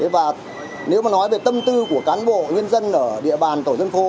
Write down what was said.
và nếu mà nói về tâm tư của cán bộ nhân dân ở địa bàn tổ dân phố